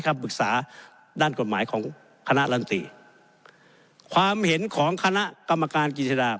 ปรึกษาด้านกฎหมายของคณะรันตีความเห็นของคณะกรรมการกิจสดา